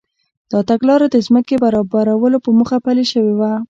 دا تګلاره د ځمکې برابرولو په موخه پلي شوې وه.